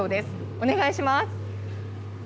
お願いします。